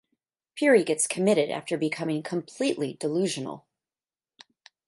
Puri gets committed after becoming completely delusional.